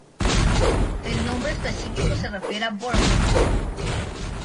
El nombre específico se refiere a Bornholm.